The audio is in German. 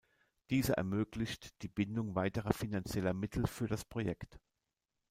Dieser ermöglicht die Bindung weiterer finanzieller Mittel für das Projekt.